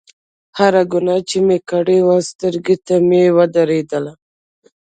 هره ګناه چې مې کړې وه سترګو ته مې ودرېدله.